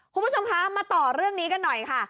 คุณผู้ชมคะมาต่อเรื่องนี้กันหน่อยค่ะ